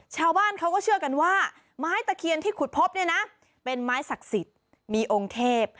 ชาวบ้านเขาก็เชื่อกันว่าไม้ตะเคียนที่ขุดพบเนี่ยนะเป็นไม้ศักดิ์สิทธิ์มีองค์เทพ